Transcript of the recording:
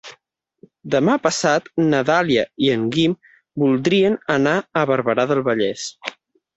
Demà passat na Dàlia i en Guim voldrien anar a Barberà del Vallès.